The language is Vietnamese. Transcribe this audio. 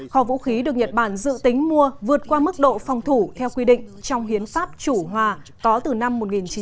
kho vũ khí được nhật bản dự tính mua vượt qua mức độ phòng thủ theo quy định trong hiến pháp chủ hòa có từ năm một nghìn chín trăm tám mươi